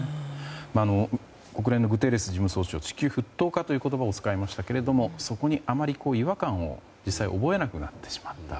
国連のグテーレス事務総長地球沸騰化という言葉を使いましたがあまり違和感を実際覚えなくなってしまった。